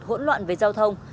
hỗn loạn với giao thông